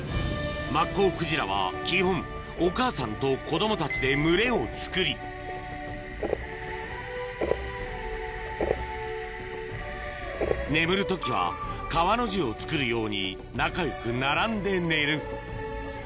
マッコウクジラは基本お母さんと子供たちで群れをつくり眠る時は川の字をつくるように仲よく並んで寝る